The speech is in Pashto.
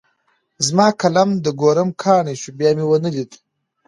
زما قلم د کوړم کاڼی شو؛ بيا مې و نه ليد.